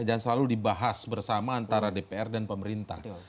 dan selalu dibahas bersama antara dpr dan pemerintah